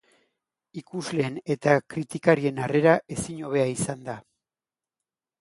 Ikusleen eta kritikarien harrera ezin hobea izan da.